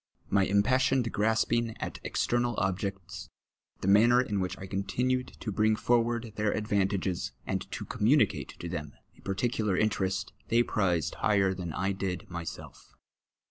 My impassioned grasping at external objects, the manner in which I continued to bring forward their advantages, and to comnumicatc to them a par ticular interest, they prized higlier than I did myself.